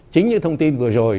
chính những thông tin vừa rồi